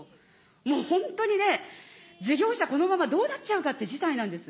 もう本当にね、事業者、このままどうなっちゃうかって事態なんです。